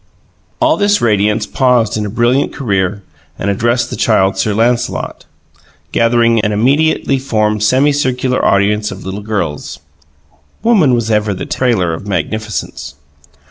All this radiance paused in a brilliant career and addressed the Child Sir Lancelot, gathering an immediately formed semicircular audience of little girls. Woman was ever the trailer of magnificence.